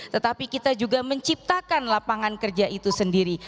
tetapi kita juga menciptakan lapangan kerja itu sendiri